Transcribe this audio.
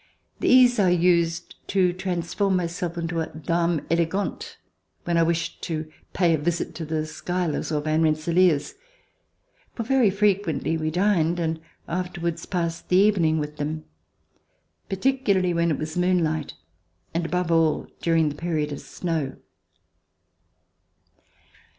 These I used to transform myself into a dame elegante, when I wished to pay a visit to the Schuylers or Van Rensselaers, for very frequently we dined and after wards passed the evening with them, particularly when it was moonlight, and above all, during the period of snow.